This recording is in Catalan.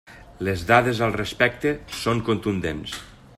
Les dades al respecte són contundents.